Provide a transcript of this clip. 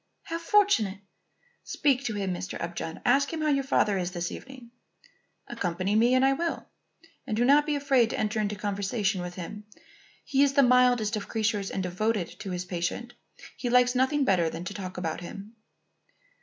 "How fortunate! Speak to him, Mr. Upjohn. Ask him how your father is this evening." "Accompany me and I will; and do not be afraid to enter into conversation with him. He is the mildest of creatures and devoted to his patient. He likes nothing better than to talk about him."